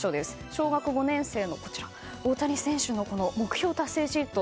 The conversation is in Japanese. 小学５年生の、こちら大谷選手の目標達成シート。